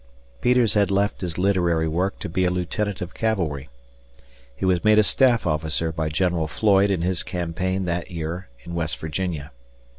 Peters had left his literary work to be a lieutenant of cavalry. He was made a staff officer by General Floyd in his campaign that year in West Virginia.